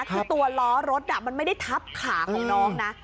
คือตัวล้อรถมันไม่ได้ทับขาของน้องนะ